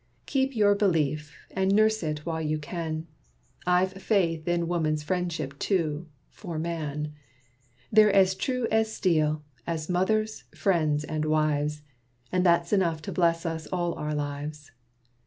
Keep your belief, and nurse it while you can. I've faith in woman's friendship too for man! They're true as steel, as mothers, friends, and wives: And that's enough to bless us all our lives.